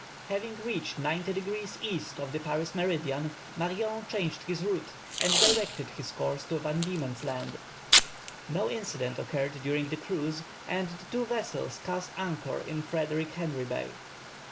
Having reached 90 degrees east of the Paris meridian, Marion changed his route, and directed his course to Van Diemen's Land. No incident occurred during the cruise, and the two vessels cast anchor in Frederick Henry Bay.